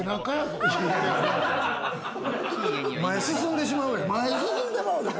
前、進んでしまうやん。